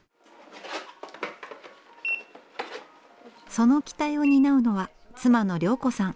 その期待を担うのは妻の良子さん。